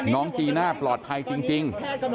จีน่าปลอดภัยจริง